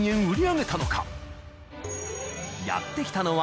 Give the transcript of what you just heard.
［やって来たのは］